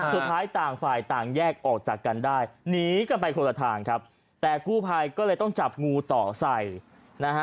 ต่างฝ่ายต่างแยกออกจากกันได้หนีกันไปคนละทางครับแต่กู้ภัยก็เลยต้องจับงูต่อใส่นะฮะ